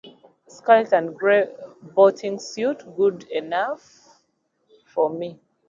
Scarlet and gray boating suit, good enough for me.